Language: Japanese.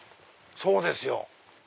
そうですよ。